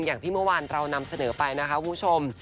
อย่างที่เมื่อวานเรานำเสนอไปนะคะคุณผู้ชม